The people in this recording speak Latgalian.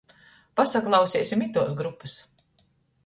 Pasaklauseisim ituos grupys!